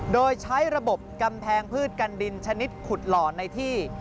โดยใช้ระบบกำแพงพืชกันดินชนิดขุดหล่อในที่